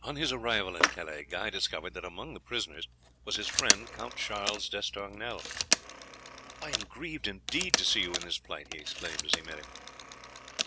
On his arrival at Calais Guy discovered that among the prisoners was his friend Count Charles d'Estournel. "I am grieved indeed to see you in this plight," he exclaimed as he met him.